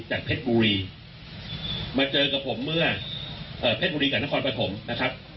เพชรบุรีมาเจอกับผมเมื่อเพชรบุรีกับนครปฐมนะครับ